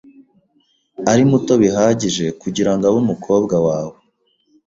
Ari muto bihagije kugirango abe umukobwa wawe .